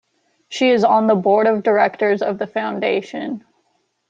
She is on the Board of Directors of the foundation.